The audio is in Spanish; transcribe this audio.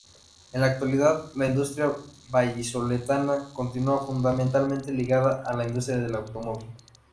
En la actualidad, la industria vallisoletana continúa fundamentalmente ligada a la industria del automóvil.